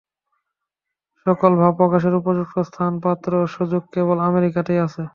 সকল ভাব প্রকাশের উপযুক্ত স্থান, পাত্র ও সুযোগ কেবল আমেরিকাতেই আছে।